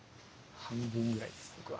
半分ぐらいです僕は。